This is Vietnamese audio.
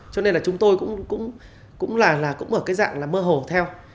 cho nên là chúng tôi cũng là cũng ở cái dạng là mơ hồ theo